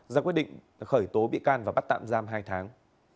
ra quyết định khởi tố bị can và bắt tạm giam hai tháng